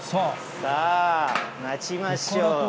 さあ、待ちましょう。